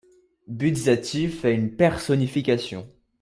Buzzati fait une personnification.